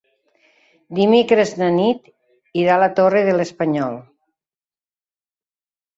Dimecres na Nit irà a la Torre de l'Espanyol.